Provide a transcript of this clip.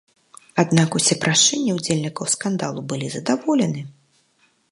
Аднак усе прашэнні ўдзельнікаў скандалу былі задаволены.